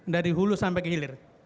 dari hulu sampai ke hilir